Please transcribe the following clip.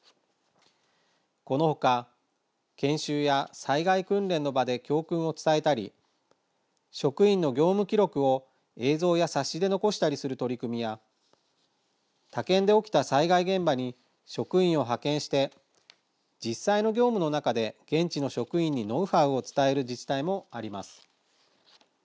この他、研修や災害訓練の場で教訓を伝えたり職員の業務記録を映像や冊子で残したりする取り組みや他県で起きた災害現場に職員を派遣して実際の業務の中で現地の職員にノウハウを伝える自治体もあります。